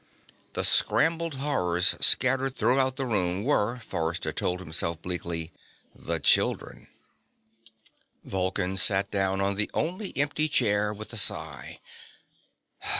The scrambled horrors scattered throughout the room were, Forrester told himself bleakly, the children. Vulcan sat down on the only empty chair with a sigh.